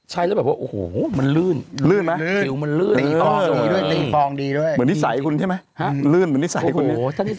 เห็นแล้วผมเห็นแล้วนั่งเนื้อไปอ่านเร่ง